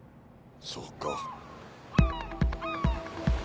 そうか。